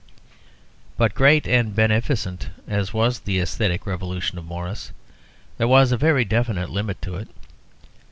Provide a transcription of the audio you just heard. But great and beneficent as was the æsthetic revolution of Morris, there was a very definite limit to it.